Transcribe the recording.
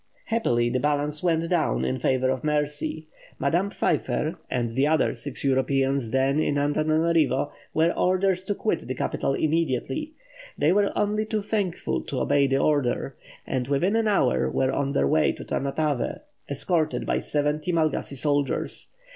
'" Happily, the balance went down in favour of mercy. Madame Pfeiffer, and the other six Europeans then in Antananarivo, were ordered to quit the capital immediately. They were only too thankful to obey the order, and within an hour were on their way to Tamatavé, escorted by seventy Malagasy soldiers.